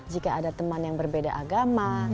jika ada teman yang berbeda agama